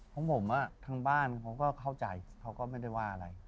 ของผมทางบ้านเขาก็เข้าใจเขาก็ไม่ได้ว่าอะไร